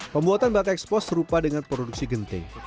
pembuatan batik ekspos serupa dengan produksi genting